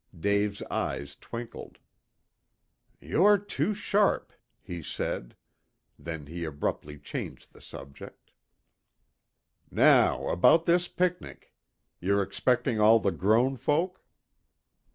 Dave's eyes twinkled. "You're too sharp," he said. Then he abruptly changed the subject. "Now about this picnic. You're expecting all the grown folk?"